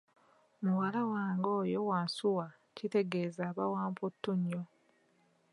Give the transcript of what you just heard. Muwala wange oyo wansuwa kitegeza aba wa mputtu nnyo.